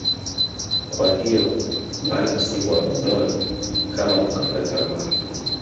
Kwa hiyo maana si bwaga moyo kama kukataa tamaa